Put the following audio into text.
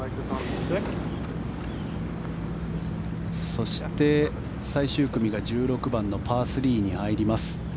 そして、最終組が１６番のパー３に入ります。